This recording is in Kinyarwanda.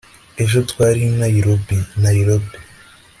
ejo twari i nayirobi (nairobi